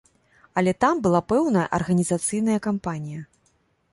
Але там была пэўная арганізацыйная кампанія.